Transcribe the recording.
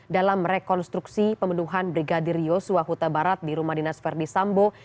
dalam rekonstruksi pemenuhan brigadir yosua huta barat di rumah dinas verdi sambo